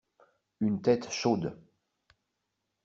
Une tête chaude.